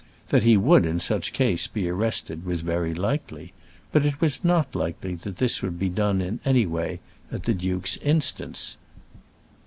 That he would, in such case, be arrested was very likely; but it was not likely that this would be done in any way at the duke's instance.